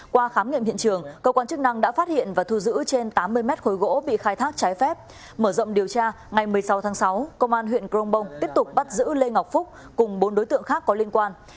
qua khám nghiệm hiện trường cơ quan chức năng đã phát hiện và thu giữ trên tám mươi mét khối gỗ bị khai thác trái phép mở rộng điều tra ngày một mươi sáu tháng sáu công an huyện crongbong tiếp tục bắt giữ lê ngọc phúc cùng bốn đối tượng khác có liên quan